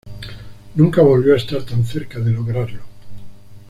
Nunca volvió a estar tan cerca de lograrlo.